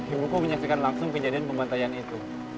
ibu ku menyaksikan langsung kejadian pembantaian itu